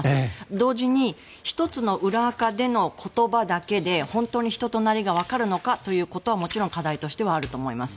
同時に１つの裏アカでの言葉だけで本当に人となりがわかるのかというのはもちろん課題としてはあると思います。